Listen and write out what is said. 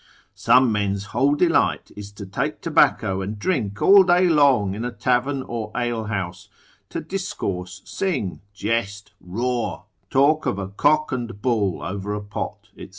Some men's whole delight is, to take tobacco, and drink all day long in a tavern or alehouse, to discourse, sing, jest, roar, talk of a cock and bull over a pot, &c.